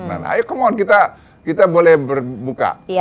ayo come on kita boleh berbuka